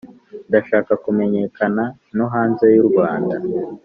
ndashaka kumenyekana no hanze y’u rwanda